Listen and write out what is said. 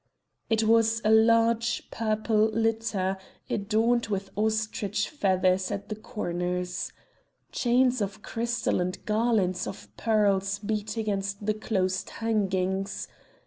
It was a large purple litter, adorned with ostrich feathers at the corners. Chains of crystal and garlands of pearls beat against the closed hangings.